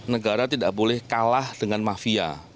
negara tidak boleh kalah dengan mafia